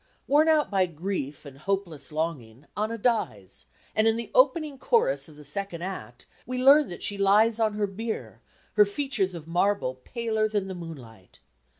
Worn out by grief and hopeless longing Anna dies, and in the opening chorus of the second act we learn that she lies on her bier, her features of marble paler than the moonlight.